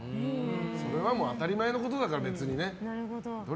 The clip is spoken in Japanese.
それは当たり前のことだから。